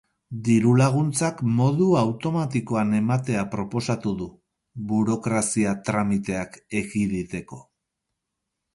Dirulaguntzak modu automatikoan ematea proposatu du, burokrazia tramiteak ekiditeko.